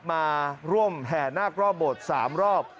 มาร่วมแห่นาครอบโบสถ์๓รอบ